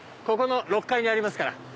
ここの６階にありますから。